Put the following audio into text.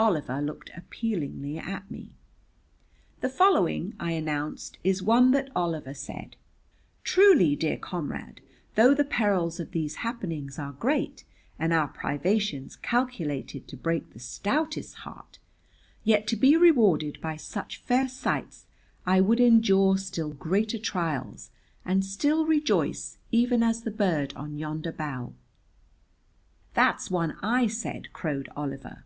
Oliver looked appealingly at me. "The following," I announced, "is one that Oliver said: 'Truly dear comrade, though the perils of these happenings are great, and our privations calculated to break the stoutest heart, yet to be rewarded by such fair sights I would endure still greater trials and still rejoice even as the bird on yonder bough.'" "That's one I said!" crowed Oliver.